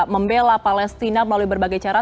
membela palestina melalui berbagai cara